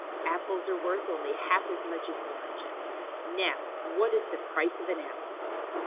Apples are worth only half as much as oranges. Now, what is the price of an apple